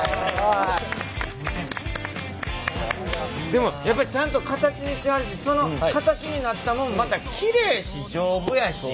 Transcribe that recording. でもやっぱりちゃんと形にしはるしその形になったもんまたきれいし丈夫やし。